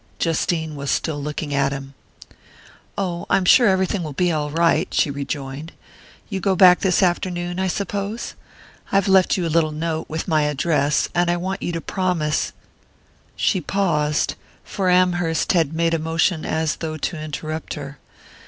Justine was still looking at him. "Oh, I'm sure everything will be all right," she rejoined. "You go back this afternoon, I suppose? I've left you a little note, with my address, and I want you to promise " She paused, for Amherst had made a motion as though to interrupt her.